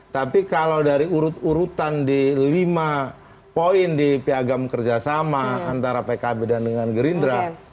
tapi kalau dari urut urutan di lima poin di piagam kerjasama antara pkb dan dengan gerindra